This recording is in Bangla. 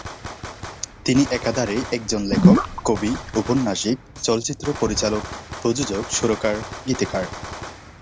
তিনি একাধারে একজন লেখক, কবি, ঔপন্যাসিক, চলচ্চিত্র পরিচালক, প্রযোজক, সুরকার, গীতিকার।